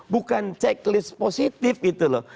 bukan checklist positif gitu loh